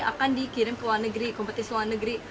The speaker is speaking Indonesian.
akan dikirim ke luar negeri kompetisi luar negeri